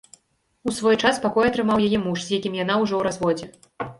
У свой час пакой атрымаў яе муж, з якім яна ўжо ў разводзе.